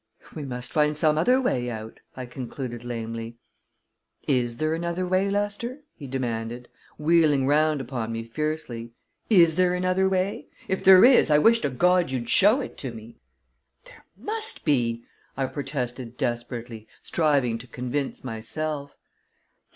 "We must find some other way out," I concluded lamely. "Is there another way, Lester?" he demanded, wheeling round upon me fiercely. "Is there another way? If there is, I wish to God you'd show it to me!" "There must be!" I protested desperately, striving to convince myself.